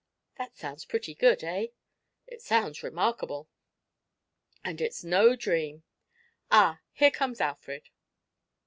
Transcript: That sounds pretty good, eh?" "It sounds remarkable." "And it's no dream. Ah, here comes Alfred."